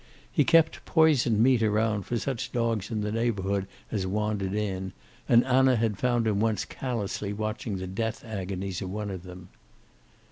He kept poisoned meat around for such dogs in the neighborhood as wandered in, and Anna had found him once callously watching the death agonies of one of them.